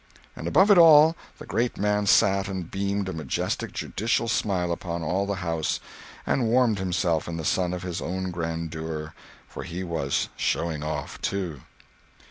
And above it all the great man sat and beamed a majestic judicial smile upon all the house, and warmed himself in the sun of his own grandeur—for he was "showing off," too.